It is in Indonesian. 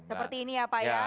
seperti ini ya pak ya